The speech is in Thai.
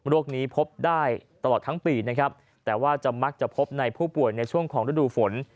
นี้พบได้ตลอดทั้งปีนะครับแต่ว่าจะมักจะพบในผู้ป่วยในช่วงของฤดูฝน